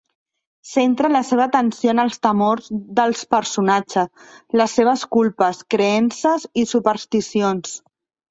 Centra la seva atenció en els temors dels personatges, les seves culpes, creences i supersticions.